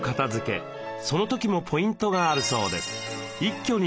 その時もポイントがあるそうです。